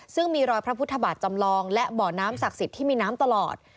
ซึ่งมีรอยพระพุทธบาทจำลองและบ่อน้ำศักดิ์สิทธิ์ที่มีน้ำตลอด